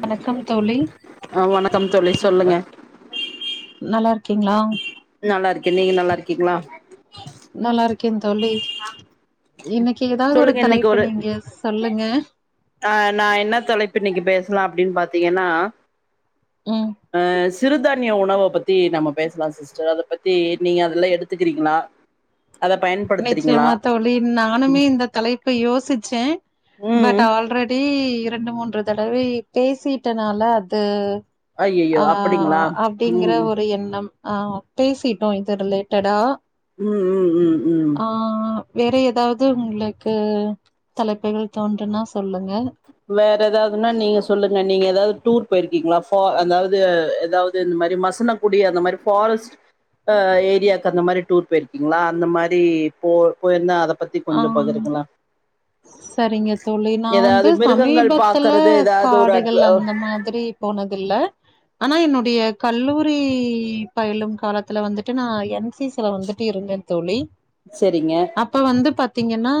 வணக்கம் தோழி ஆ வணக்கம் தோழி சொல்லுங்க நல்லாருக் கீங்ளா நல்லாருக்கே நீங்க நல்லாருக்கீங்ளா நல்லா இருக்கே தோழி இன்னைக்கு ஏதாவது ஒரு சொல்லுங்க தலைப்பு நீங்க சொல்லுங்க அ நா என்னா தலைப்பு இன்னைக்கு பேசலா அப்டின் பாத்தீங்கன்னா ம் அ சிறுதானியோ உணவ பத்தி நம்ப பேசலா சிஸ்டர் அத பத்தி நீங்க அதெல்லா எடுத்துக்குறீங்ளா நிச்சயமா தோழி நானுமே இந்த தலைப்ப யோசிச்சே ம் பட் ஆல்ரெட் டி இரண்டு மூன்று தடவை பேசிட்டனால அது ஐயையோ அ அப்டிங்களா அப்டிங்கிற ம் ஒரு எண்ணம் அ பேசிட்டோ இது ரிலேட்டடா ம் ம் ம் ஆ வேற ஏதாவது உங்களுக்கு தலைப்புகள் தோன்றுனா சொல்லுங்க வேற ஏதாவதுன்னா நீங்க சொல்லுங்க நீங்க ஏதாவது டூர் போயிருக்கீங்ளா ஒ அதாவது ஏதாவது இந்த மாரி மசன குடி அந்த மாரி ஃபாரஸ்ட்டு அ ஏரியாக்கு அந்த மாரி டூர் போயிருக்கீங்ளா அந்த மாரி போ போயிருந்தா அத பத்தி கொஞ்சோம் பகருங்களா செரிங்க தோழி நா வந்து மிருகங்கள் சமீபத்துல பாக்குறது ஏதாவது ஒரு அட் காடுகள் அந்த மாதிரி போனதில்ல ஆனா என்னோட டிய கல்லூரி பயிலும் காலத்துல வந்துட்டு நா என்சிசில வந்துட்டு இருந்தே தோழி செரிங்க அப்ப வந்து பாத்தீங்கன்னா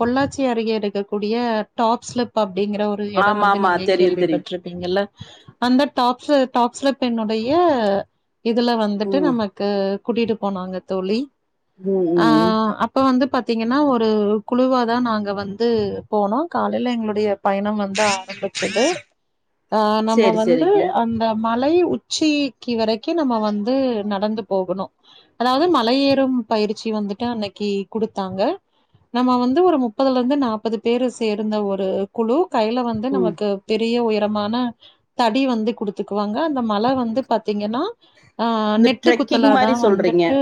பொள்ளாச் சி அருகே இருக்கக்கூடிய டாப் ஸ்லிப் அப் டிங்கிற ஒரு எடம் ஆமா வந்து ஆமா நீங்க தெரியு தெரியு கேள்விப்பட்ருப்பீங்கல்ல அந்த டாப்ஸ்ஸு டாக்ஸ்ல பெண்ணுடைய இதுல வந்துட்டு ம் நமக்கு கூட்டிட்டு போனாங்க தோழி ம் அ ம் அப்ப வந்து பாத்தீங்கன்னா ஒரு குழவாதா நாங் ங்க வந்து போனோ காலைல எங்களுடைய பயணம் வந்து ஆரம்பிச்சது அ நம்ம சேரி வந்து சேரிங்க அந்த மலை உச்சீக்கி வெரைக்கு நம்ம வந்து நடந்து போகணு அதாவது மலை ஏறும் பயிற்சி வந்துட்டு அன்னைக்கு குடுத்தாங்க நம்ம வந்து ஒரு மு ப்பதுலருந்து நாற்பது பேரு சேர்ந்த ஒரு குழு கையில வந்து ம் நமக்கு பெரிய உயர் தமான தடி வந்து குடுத்துக்குவாங்க அந்த மல வந்து பாத்தீங்கன்னா அ இந்த நெட்டு ட்ரெக்கிங் குத்தலாதா மாரி சொல்றீங்க வந்துட்டு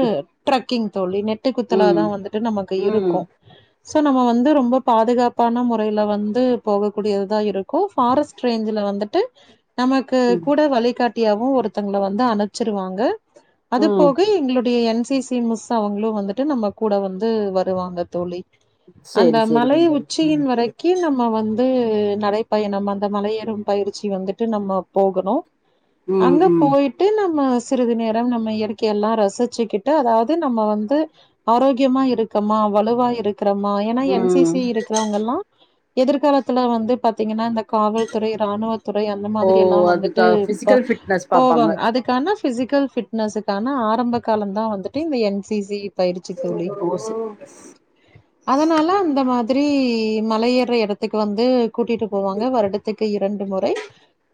ட்ரக் கிங் தோழி நெட்டு குத்தலா ம் தா வந்துட்டு நமக்கு ம் இருக்கோ சோ நம்ம வந் து ரொம்ப பாதுகாப்பான முறையில வந்து போகக்கூடியது தா இருக்கு ஃபாரஸ்ட்டு ரேஞ்ச்ல வந்துட்டு நமக்கு ம் கூட வழிகாட்டியாவு ஒருத்தங்கள வந்து அனுப்ச்சிருவாங்க அது ம் போக எங்களுடைய என் சி சி மிஸ்ஸு அவங்களு வந்துட்டு நம்ம கூட வந்து வருவாங்க தோழி அந்த சேரி மலை சேரிங்க உச்சியின் தோழி வரைக்கு நம்ம வந் து நடைபயணம் அந்த மலைய ஏறும் பயிற்சி வந்துட்டு நம்ம போகணு ம் அங்க ம் போயிட்டு நம்ம சிறிது நேரம் நம்ம இயற்கைய எல்லாம் ரசிச்சிக்கிட்டு அதாவது நம்ம வந்து ஆரோக்கியமா இருக்கமா வலுவா இருக்குறமா ஏன்னா என் ம் சி ம் சி இருக்கிறவங்கல்லா எதிர்காலத்தில்ல வந்து பாத்தீங்கன்னா இந்த காவல்துறை இராணுவத் துறை அந்த ஓ மாதிரி எல்லா அதுக்கா வந்துட்டு பிசிக்கல் ஃபிட்னஸ் பாப்பாங்க போவாங்க அதுக்கான பிசிக்கல் பிட்னஸுக்கான ஆரம்ப காலம் தா வந்துட்டு இந்த என்சி சி பயிற்சி தோழி. [unintelligible] அதனால அந்த மாதிரி மல ஏற்ற எடத்துக்கு வந்து கூட்டிட்டு போவாங்க வருடத்துக்கு இரண்டு முறை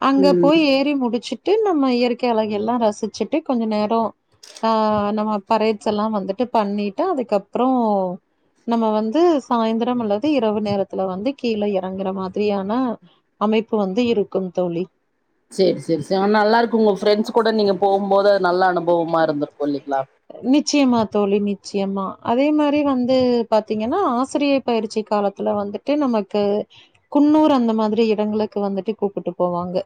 அங்க ம் போய் ஏறி முடிச்சிட் டு நம்ம இயற்கை அலகை எல்லா ரசிச்சிட்டு கொஞ்ச நேரோ அ நம்ம பரேட்ஸ் எல்லா வந்துட்டு பண்ணிட்டு அதுக்கப்புறோ நம்ம வந்து சாய்ந்திரம் அல்லது இரவு நேரத்துல வந்து கீழே இறங்குற மாதிரியான அமைப்பு இப்ப வந்து இருக்கும் தோழி சரி சரி சரினா நல்லா இருக்கு உங்க ஃப்ரெண்ட்ஸ் கூட நீங்க போகும்போது நல்ல அனுபவமா இருந்து நிச்சயமா தோழி நிச்சயமா அதே மாதிரி வந்து பாத்தீங்கன்னா ஆசிரிய பயிற்சி காலத்துல வந்துட்டு நமக்கு குன்னூர் அந்த மாதிரி இடங்களுக்கு வந்துட்டு கூப்பிட்டு போவாங்க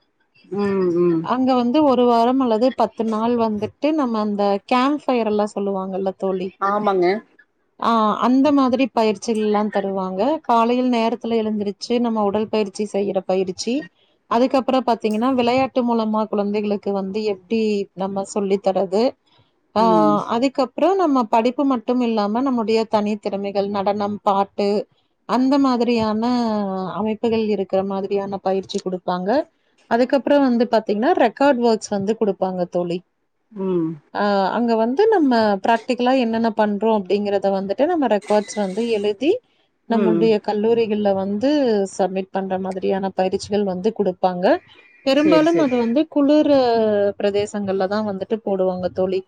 ம் ம் அங்க வந்து ஒரு வாரம் அல்லது பத்து நாள் வந்துட்டு நம்ம அந்த கேம் யர் எல்லாம் சொல்லுவாங்கல்ல ஆமாங்க அந்த மாதிரி பயிற்சிகள்லாம் தருவாங்க காலையில் நேரத்துல எழுந்திருச்சு நம்ம உடல் பயிற்சி செய்யற பயிற்சி அதுக்கப்புறம் பார்த்தீங்கன்னா விளையாட்டு மூலமா குழந்தைகளுக்கு வந்து எப்படி நம்ம சொல்லி தரது ம் ஆஹ் அதுக்கப்புறம் நம்ம படிப்பு மட்டும் இல்லாம நம்முடைய தனி திறமைகள் நடனம் பாட்டு அந்த மாதிரியான அமைப்புகள் இருக்கிற மாதிரியான பயிற்சி கொடுப்பாங்க அதுக்கப்புறம் வந்து பாத்தீங்கன்னா ரெக்கார்ட் ஒர்க்ஸ் வந்து கொடுப்பாங்க தோழி உம் அ அங்க வந்து நம்ம பிராக்டிகலா என்னென்ன பண்றோம் அப்படிங்கறத வந்து நம்ம ரெக்கார்ட்ஸ் வந்து எழுதி ம் நம்மளுடைய கல்லூரி வந்து சப்மிட் பண்ற மாதிரியான பயிற்சிகள் வந்து கொடுப்பாங்க செரி பெரும்பாலும் செரி அது வந்து குளிர் பிரதேசங்கள்ல தான் வந்துட்டு போடுவாங்க தோழி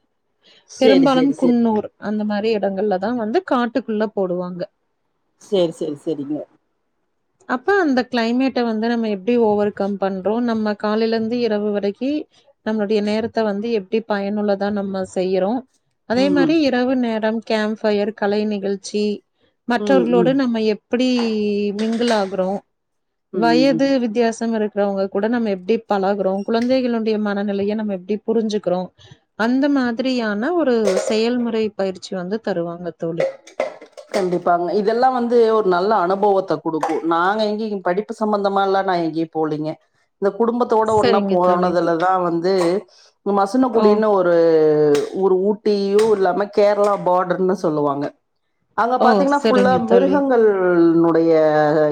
செரி பெரும்பாலும் செரி செரி குன்னூர் அந்த மாதிரி இடங்கள்லதான் வந்து காட்டுக்குள்ள போடுவாங்க சரி சரி சரிங்க அப்ப அந்த கிளைமேட்டை வந்து நம்ம எப்படி ஓவ கம் பண்றோம் நம்ம காலில இருந்து இரவு வரைக்கும் நம்மளுடைய நேரத்தை வந்து எப்படி பயனுள்ளதா நம்ம செய்யறோம் அதே ம் ம் மாதிரி இரவு நேரம் கேம் பயர் கலை நிகழ்ச்சி ம் மற்றவர்களோட ம் நம்ம எப்படி மிங்கிள் ஆகுறோம் ம் ம் வயது வித்தியாசம் இருக்கு ங்க கூட நம்ம எப்படி பழகுகறோம் குழந்தைகளுடைய மனநிலையை நம்ம எப்படி புரிஞ்சுக்கிறோம் அந்த மாதிரியான ஒரு செயல்முறை பயிற்சி வந்து தருவாங்க தோழி கண்டிப்பாங்க இதெல்லாம் வந்து ஒரு நல்ல அனுபவத்தை கொடுக்கும் நாங்க எங்கய படிப்பு சம்பந்தமா எல்லாம் நான் எங்கயும் போலீங்க இந்த குடும்பத்தோட ஒன்னா சரிங்க தோழி. போனதுல தான் வந்து ஓ மசனகுடின்னு ஒரு ஒருஊ ஊட்டியும் இல்லாம கேரளா பார்டர்ன்னு சொல்லுவாங்க அங்க ஓ பார்த்தீங்கன்னா ஃபுல்லா சரிங்க தோழி. மிருகங்கள்னுடைய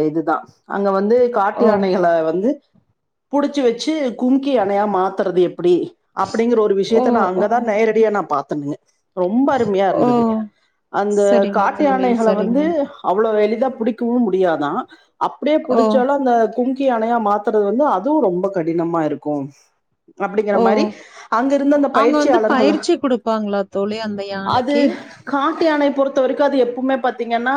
இதுதான் அங்க வந்து காட்டு ஓ யானைகளை வந்து புடிச்சு வச்சு கும்கி அணையா மாத்துறது எ எப்படி அப்படிங்கற ஒரு ஓ விஷயத்த நான் ஓ அங்கதான் நேரடியா நான் பாத்தனுங்க ரொம்ப அருமையா ஓ இருந்தது அந்த சரிங்க காட்டு தோழி யானைகளை வந்து சரிங்க அவ்வளோ எளிதா பிடிக்கவும் முடியாாதான் அப்படியே ஓ பிடிச்சாலும் அந்த குங்கு கும்கி யானையா மாத்துறது வந்து அதுவும் ரொம்ப கடினமா இருக்கும் அப்படிங்கிற ஓ மாதிரி அங்க இருந்த அந்த அவங்க வந்து பயிற்சியாளர்கள் பயிற்சி குடுப்பாங்களா தோழி அந்த அது யானைக்கு காட்டுயானை பொறுத்து வரைக்கும் அது எப்பவுமே பத்தீங்கன்னா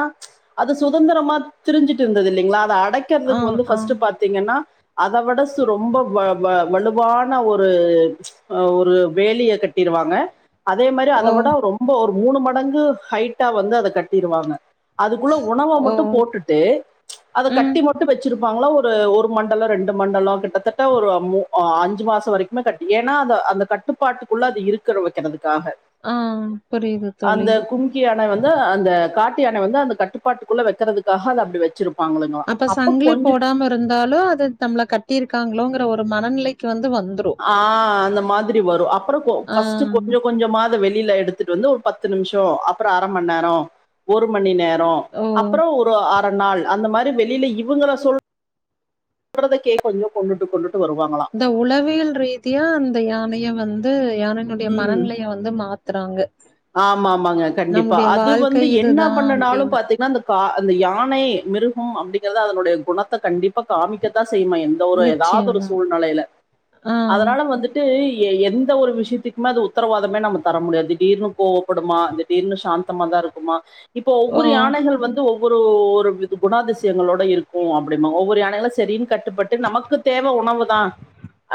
அது சுதந்திரமா தெரிஞ்சுட்டு இருந்தது இல்லைங்களா அதது அ ஆ கிடைக்கிறதுக்கு வந்து ஆ பர்ஸ்ட் பாத்தீங்கன்னா அத விட ரொம்ப வலுவான ஒருஹ ஒரு வேலையை கட்டிரு வாங்க அதே மாதிரி அத ஓ விட ரொம்ப ஒரு மூணு மடங்கு ஹைட்டா வந்து அதை கட்டிருவாங்க அதுக்குள்ள உணவை ஓ மட்டும் போட்டுட்டு அதை ம் கட்டி மட்டும் வச்சிரு வாங்கள ஒரு மண்டலம் ரெண்டு மண்டலம் கிட்டத்தட்ட ஒரு அஞ்சு மாசம் வரைக்குமே கட்ட ஏன்னா அது அந்த கட்டுப்பாட்டுக்குள்ள அது இருக்க வைக்கிறதுக்காக ஆ புரியுது அந்த தோழி கு்ம்கிய வந்து அந்த காட்டு யானெ வந்து அந்த கட்டுப்பாட்டுக்குள்ள வெக்கறதுக்காக அத அப்டி வெச் அப்ப சங்லி போடாம இருந்தாலும் அது தம்ள கட்டி இருக்காங்ளோங்ற ஒரு மனநிலைக்கி வந்து வந் ஆ அந்த மாதுரி வரு அப்பற கோ ஆ ஃபஸ்ட்டு கொஞ்சொ கொஞ்சொ மாத் வெளியில எடுத்துட்டு வந்து ஒரு பத்து நிம்ஷோ அப்புற அரமண் நேரொம் ஒரு மணி நேர் நோ ஓ அப்புரொ ஒரு அர நாள் அந்த மாரி வெளில இவுங்கள சொல் [unintelligible] கே கொஞ்சொ கொன்னுட்டு கொன்னுட் ந்த உளவியல் ரீதியா அந்த யானய வந்து யானைன்னுடிய மரநிலைய வந்து மாத்றாங்க ஆம் ஆமாங்க கண்டிப்பா அது வந்து என்னா இதுதா பண்ணுனாலும் அப்டின்னு பாத்தீங்னா அந்த கா அந்த யானை மிருகும் அப்டிங்கிறத அதனுடைய குணத்த கண்டிப்பா காமிக்கத்தாஸ் செய்மா எந்த ஒரு ஏதாவ்தொரு நிச்சயமா சூழ்நலைல ஆ அதனால வந்துட்டு எ எந்த ஒரு விஷ்யத்திக்மே அது உத்துரவாதமே நம்ம தர முடியா திடீர்னு கோவப்படுமா திடீர்னு சாந்தமா தா இருக்குமா இப்ப ஓ ஒவ்வொரு யானைகள் வந்து ஒவ் ஒரு ஒரு விது குணாதிசியங்களோட இருக்கு அப்டிமா ஒவ்வொரு யானைகளு செரின்ட் கட்டுப்பட்டு நமக்கு தேவ உணவு தா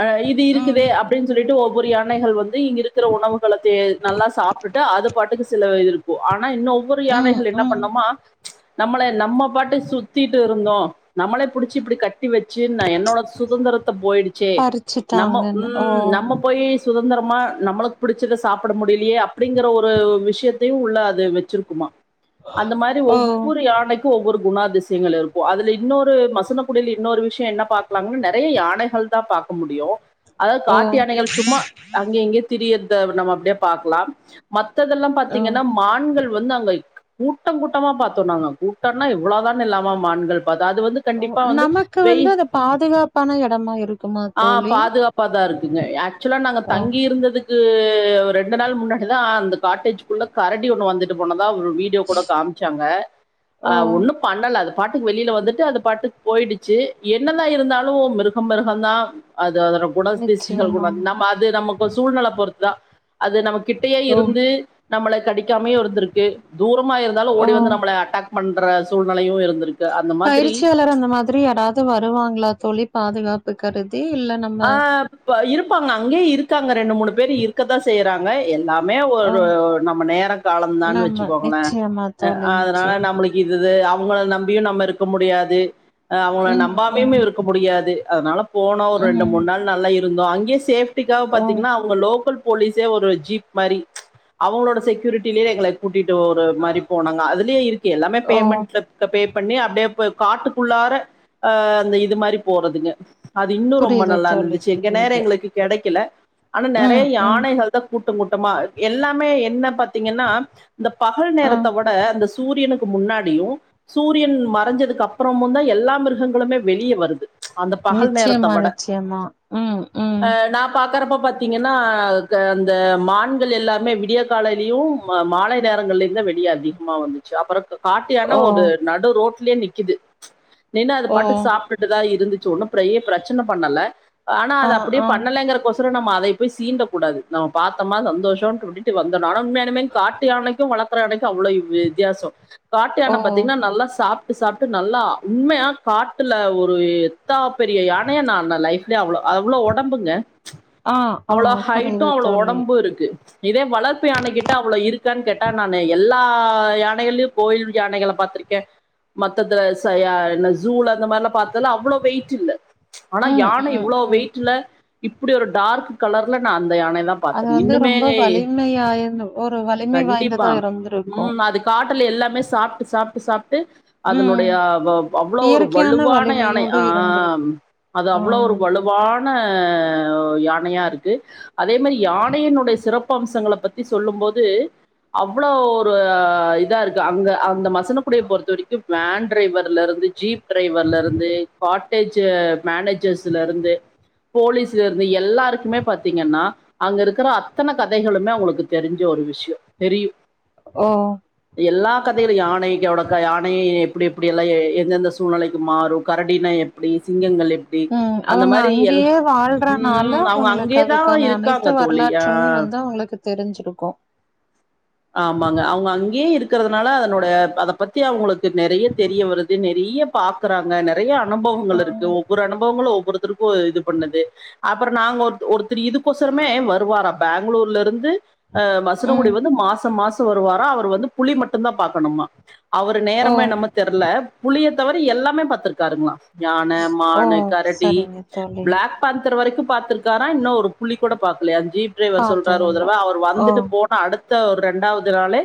அழ இது ம் இருக்குதே அப்டின் சொல்லிட்டு ஒவ்வொரு யானைகள் வந்து இங் இருக்குற உணவுகள தே நல்லா சாப் ப்ரிட்டோ அது பாட்டுக்கு சிலவ இருக்கு ஆனா இன்னும் ஒவ்வொரு ம் யானைகள் என்ன ம் பண்னொம்மா நம்மளே நம்ம பாட்டு சுத்திட்டு இருந்தோ நம்மளே புடிச்சு இப்புடி கட் டி வெச்சீர்ன என்னோட சுதந்துரத்த போயிடுச்சே நம்ம பறிச்சுட்டாங்கன்னு ஓ உம் நம்ம போயி சுதந்துரமா நம்பளுக் புடுச்சத சாப்புட முடிய்லியே அப் உள்ள அது வெச்சிர்க்குமா அந்த மாரி ஓ ஒவ்வொரு யானக்கு ஒவ்வொரு குணாதிசியங்கள் இருக்கு அதுல இன்னொரு மசுன குடில் இன்னொரு விஷ்யொ என்ன பாக்லாங்னு நெறைய யானைகள் தா பா பாக்க முடியோ அதா ஓ காட்டுயானைகள் சும்மா அங்கெ இங்யே திரியர்த நம்ம அப்டே பாக்லா மத் த்ததெல்லாம் ஓ பாத்தீங்கனா மான்கள் வந்து அங்க கூட்டங் கூட்டமா பாத்தோ நாங்க கூட்டன்னா இவ்ளோதான் இல்லாமா மான்கள் பத் அது வந்து ஓ கண்டிப்பா வந்து நமக்கு வெய் வந்து அது பாதுகாப்பான எடமா இருக்குமா ஆ தோழி பாதுகாப்ப தாருக் [unintelligible] யாச்சுலா நாங்க ஓ தங்கி இருந்ததுக்கு ரெண்டு நாள் முன்னட் எதா அந்த காட்டேஜ்க்குள்ள கரடி ஒன்னு வந்துட்டு போனத் ஒரு வீடியோ கூட காம்ச்சாங்க ஓ அ ஒன்னு பண்ணல அது பாட்டுக் வெளில வந்துட்டு அது பாட்டுக் போயிடுச்சி என்னதா இருந்தாலு மிருஹம் மிருஹந்தா அது அதொர குணஸ்திஷ்டிகள் நிச்சயமா குணம் நம்ம அது நமக்கு சூழ்நல பொறுத்தா அது நமக்கி டியே ஓ இருந்து நம்மள கடிக்காமயு இருந்துருக்கு தூரமா இருந்தாலும் ஓ ஓடி வந்து நம்மள அட்டாக் மன்ற சூழ்நலயு இருக் பயிற்சியாளர் அந்த மாதுரி யாராது வருவாங்களா தொழி பாதுகாப்புக்கருது ஆ ப் இருப்பாங்க அங்யே இருக்காங்க ரெண்டு மூணு பேரு இருக்கதா செய்யறாங்க எல்லாம் மே ஓ ஒரு நம்ம நேர காலந்தான் நம்ம வெச்சிக்கோங்ள நிச்சயமா தோழி அத்னால நிச்சயமா நம்ளுக்கு இதுது அப் உங்கள நம்பியு நம்ம இருக்க முடியாது அவுங்ள ம் நம்பாம்யும் ம் இருக்க முடியாது அதுனால போன் ஒ எண்டு ம் மூண் நல்ல இருந்தோ அங்கே சேப்டிக்காவ் ஓ பத்தீங்னா அவுங்க லோக்குல் போலீஸே ஒரு ஜீப் மரி அவங்ளோட செக்குரிட்டியே எங்கள கூட்டிட் ஒரு மாரி போனாங்க அதுல்யே இருக்கு எல்லாமே ஓ பேமண்ட்ல க பே பண்ணி அப்டே பேவ் காட்டுக்குள்ளார அந்த இது மாரி போறதுங்க அது இன்னு உம்ப புரியுது தோழி நல்லாருந்துச்சி இங்க நேர புரியுது எங்ளுக்கு கெடக்குல அனா நெறைய ம் ம் யானைகள் தா கூட்டங் கூட்டமா எல்லாமே என்னப் பத்தீங்கனா ந்த பகல் ஆ நேரத்த ஒட அந்த சூரியனுக் முன்னாடியு சூரியன் மறஞ்சதுக்கு அப்றமுந்தா எல்லா மிருஹங்களுமே வெளிய வருது அந்த பகல் நேரத்த வட ஏமா ம் ம் உக்காறப்போ பாத்தீங்கனா க அந்த மான்கள் எல்லாமே விடிய காலைலியு ம மாலை நேரங்க உள்ளேந்து வெளியே அதிகமா வந்துச்சு அப்புறம் ஓ காட்டியான ஒரு நடு ரோட்லயே நிக்குது நின்னு அது ஓ பாட்டுக் சாப்பிட்டுட்டுதான் இரு இருந்துச்சு ஒன்னும் ஃப்ரய பிரச்சனை பண்ணல ஆனா ஆ அது அப்படியே ஆ பண்ணலைங்கிற கொச ரோ நம்ம அதைய போய் சீண்டக்க கூடாது நம்ம பாத்தோமா சந்தோஷனு விட்டுட்டு வந்துரனு ஆனா உண்மயாவே காட்டு யானைக்கும் வள க்ற யானைக்கு அவ்ளவு வித்தியாசம் ஓ காட்டுயானை பாத்தீங்கன்னா நல்லா சாப் ட்டு சாப்பிட்டு நல்லா உண்மையா காட்டுல ஒரு எத்தா பெரிய யா னைய நான் லைஃப்லயே அவ்ளோ அவ்ளோ உடம்புங்க ஆ ஆ அவ்ளோ ஹைட்டும் புரியுது அவ்ளோ தோழி உடம்பும் இருக்கு இதே வளர்பு யானைகிட்ட அவ்ளோ இருக்கான்னு கேட்டு நானு எல்லா யானைகள்ளயும் கோயில் யானைகள பாத்த இருக்கன் மத்தத யான் ஃசூல அந்த மாதிரல்லாம் பாத்த ல அவ்ளோ வெயிட் இல்ல ஆனா ம் யானை ம் இவ்வளோ ம் வெயிட்டுல்ல இப்டி ஒரு டார்க் கலர்ல நான் அந்த யானைய தான் அது பாத்த வந்து இன்னுமே ரொம்ப வலிமையாயிரு ஒரு வலிமை கண்டிப்பா வாய்ந்ததா இருந்திருக்கு உம் அது காட்டு ல எல்லாமே சாப்ட்டு சாப்ட்டு சாப்ட் டு ம் அதனுடைய அவ்வளோ ஒரு இயற்கையான வலுவான யானை வலிமையோடு ஆஹ் இருந்திருக்கு அது ஆ அவ்வளோ ஒரு வலுவான யானையா இருக்கு அதே மாதிரி யானையினுடைய சிறப்பு அம்சங்களை பத்தி சொல்லும் போது அவ்ளோ ஒரு இதா இருக்கு அங்க அந்த மசனக்குடிய பொறுத்த வரைக்கும் வேன் டிரைவர்ல இருந் து ஜீப் டிரைவர்ல இருந்து காட்டேஜ்ஜ மேனேஜர்ஸ்ல இருந்து போலீஸ்ல இருந்து எல்லாருக்குமே பாத்தீங்கன்னா அங்க இருக்கிற அத்தனை கதைகளுமே அவங்களுக்கு தெரிஞ்சவொரு ஒரு விஷயம் தெரியும் ஓ எல்லா கதையிலும் யானைகோட யானைய எப்டி எப்டி‌ எல்லாம் எந்தெந்த சூழ்நிலைக்கு மாறும் கரடின்னா எப்டி சிங்கங்கள் எப்டி உம் அவங்க அங்கேயே வாழ்றனால ம், அவங்க அவங்களுக்கு அங்கேயே தான் அதுக்கான அனைத்து இருக்காங்க தோழி வரலாற்றுமே அஹ் வந் து அவுங்களுக்கு தெரிஞ்சிருக்கோ ஆமாங்க அவுங்க அங்கேயே இருக்கறத னால அதனுடைய அத பத்தி அவங்களுக்கு நெறைய தெரிய வருது நெறைய பாக்கறாங்க நெற் நெறைய ஆ அனுபவங்கள் இருக்கு ஒவ்வொரு அனுபவங்களு ஒவ்வொருத் திருப்பு இது பண்ணது அப்பற நாங்க ஒர் ஒருத்தரு இதுக்கொசரமே வருவாரா பெங்களூர்லருந்து அஹ மசினகுடி ம் வந்து மாச மாச வருவாரா அவரு வந்து புலி மட்டுந்தா பாக்கணுமா அவரு ஓ நேரமோ என்னமோ தெரில புலிய தவற எல்லாமே பாத்துருக்காருங்களா யான ஓ மானு கரடி சரிங்க தோழி பிளாக் பாந்தர் வரைக்கு பாத்துருக் காரா இன்னு ஒரு புலி கூட பாக்கலயா ஜீப் டிரைவர் சொல்றாரு ஒரு பாத்ததில்ல தடவை அவரு ஓ வந்துட்டு போன அடுத்த ஒரு ரெண்டாவது நாளே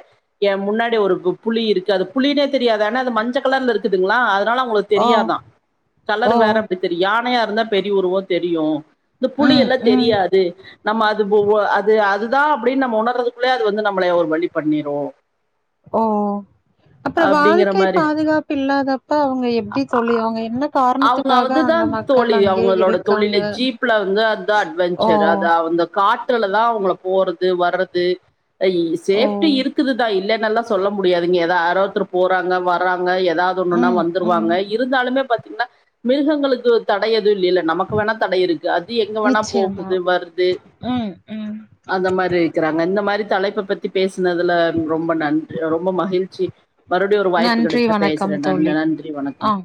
ஏ முன்னாடி ஒரு கு புலி இருக்கு அது புலினே தெரியாது ஆனா அது மஞ்ச கலர்ல இருக்குதுங்களா அத் னால அவங்களுக்கு ஓ தெரியாதா கலர் ஓ வேற அப்படி தெரியு யானையா இருந்தா பெரிய உருவ தெரியு இந்த புலி ம் எல்லா ம் தெரியாது நம்ம அது போ அது அதுதா அப்டின்னு நம்ம உணர்துக்குள்ளேயே அது வந்து நம் மலைய ஒரு வழி பண்ணிரு ஓ ஓ அப்பறோ அப்டிங்கிற வாழ்க்கை மாரி பாதுகாப்பு இல்லாதப்ப அவங்க எப்டி தோழி அவங்க என்னப் அவுங்க அதுதான் தோழி அவுங்களோட இருக்காங்க? தொழிலே ஜீப்ல வந்து அதுதா ஓ! அட்வெஞ்சர் அது அவுங்க காட்டுல தா அவுங்கள போறது வர்றது இ ஓ! சேஃப்டி இருக்குதுதா இல்லேனெல்லா சொல்ல முடியாதுங்க ஏதா ஆரோ ஒருத்தரு போறாங்க வர்றாங்க ஏதாவது ஒன்னுன்னா ம், வந்துருவாங்க ம். இருந்தாலுமே பத் மிருகங்களுக்கு தடைய யேது இல்லல்ல நமக்கு வேணா தடை இருக்கு அது எங்க வேணா நிச்சயமா. போகுது வருது ம், ம். அந்த மாரி இருக்கிறாங்க இந்த மாரி தலைப்ப பத்தி பேச னதுல ரொம்ப நன்றி ரொம்ப மகிழ்ச்சி மறுபடியு ஒரு வாய்ப்பு நன்றி, கிடைச்சா வணக்கம் பேசுறேன் நன் தோழி. நன்றி வணக்கம் ஆ.